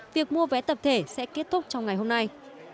việc mua vé tập thể sẽ kết thúc trong ngày hôm nay